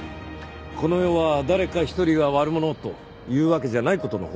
この世は誰か一人が悪者というわけじゃない事のほうが多い。